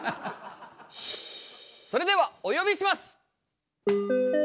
それではお呼びします！